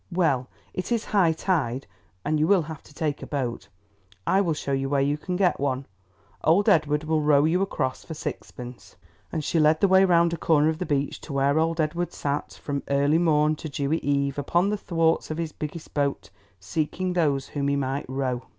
Well, it is high tide, and you will have to take a boat. I will show you where you can get one. Old Edward will row you across for sixpence," and she led the way round a corner of the beach to where old Edward sat, from early morn to dewy eve, upon the thwarts of his biggest boat, seeking those whom he might row.